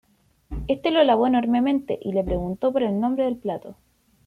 Éste lo alabó enormemente y le preguntó por el nombre del plato.